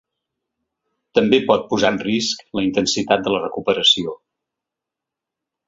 També pot posar en risc la intensitat de la recuperació.